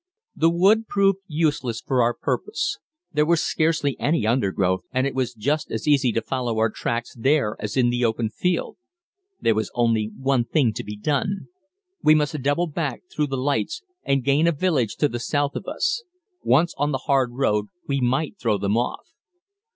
The wood proved useless for our purpose. There was scarcely any undergrowth, and it was just as easy to follow our tracks there as in the open field. There was only one thing to be done. We must double back through the lights and gain a village to the south of us. Once on the hard road we might throw them off.